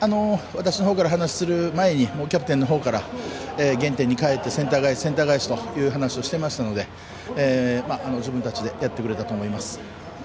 私のほうから話をする前にキャプテンのほうから原点にかえってセンター返しという話をしていましたので自分たちでやってくれたと思います。